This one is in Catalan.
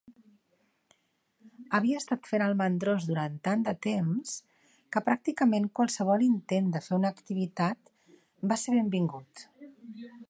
Havia estat fent el mandrós durant tant de temps que pràcticament qualsevol intent de fer una activitat va ser benvingut.